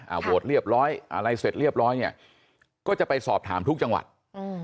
โหวตเรียบร้อยอะไรเสร็จเรียบร้อยเนี้ยก็จะไปสอบถามทุกจังหวัดอืม